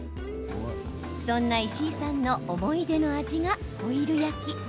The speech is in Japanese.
そんな石井さんの思い出の味がホイル焼き。